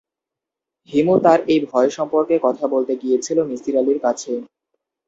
হিমু তার এই ভয় সম্পর্কে কথা বলতে গিয়েছিল মিসির আলির কাছে।